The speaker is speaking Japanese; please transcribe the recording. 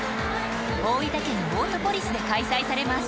大分県オートポリスで開催されます